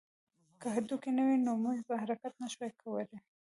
که هډوکي نه وی نو موږ به حرکت نه شوای کولی